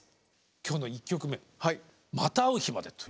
今日の１曲目「また逢う日まで」という。